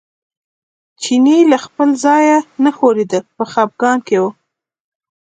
چینی له خپل ځایه نه ښورېده په خپګان کې و.